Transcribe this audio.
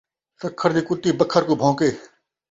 سکھر دی کُتّی بکھر کوں بھون٘کے